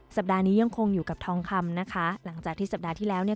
สัปดาห์นี้ยังคงอยู่กับทองคำนะคะหลังจากที่สัปดาห์ที่แล้วเนี่ย